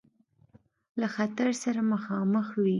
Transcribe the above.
له خطر سره مخامخ وي.